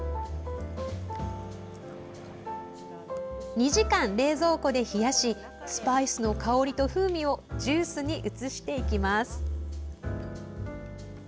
２時間、冷蔵庫で冷やしスパイスの香りと風味をジュースに移していきます。